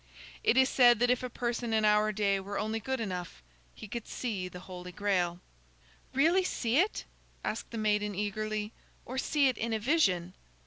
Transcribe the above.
It is said that if a person in our day were only good enough, he could see the Holy Grail." "Really see it?" asked the maiden, eagerly, "or see it in a vision?"